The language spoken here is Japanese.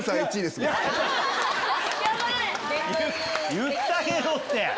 言ってあげろって！